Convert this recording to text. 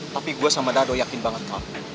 tapi gue sama dado yakin banget